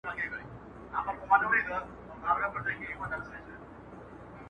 د هغه نثر له نورو څخه بېل رنګ لري تل,